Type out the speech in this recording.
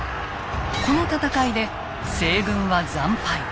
この戦いで西軍は惨敗。